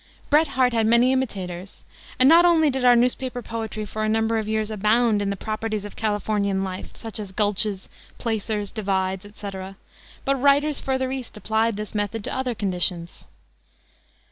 Bret Harte had many imitators, and not only did our newspaper poetry for a number of years abound in the properties of Californian life, such as gulches, placers, divides, etc., but writers further east applied his method to other conditions.